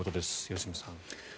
良純さん。